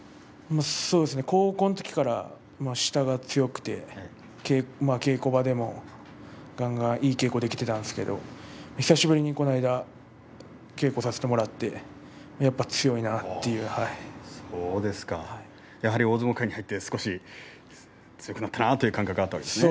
高校のときから下が強くて稽古場でもがんがんいい稽古ができていたんですが久しぶりにこの間稽古をさせてもらってやはり大相撲界に入って強くなったなという感覚があったんですね。